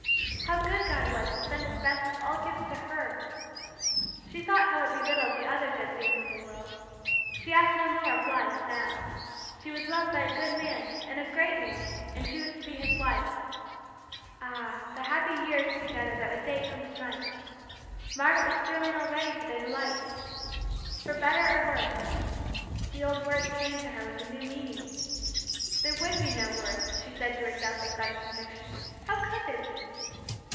How good God was to send this best of all gifts to her! She thought how it belittled the other good things of the world. She asked no more of life, now; she was loved by a good man, and a great man, and she was to be his wife. Ah, the happy years together that would date from to night, Margaret was thrilling already to their delights. "For better or worse," the old words came to her with a new meaning. There would be no worse, she said to herself with sudden conviction, how could there be?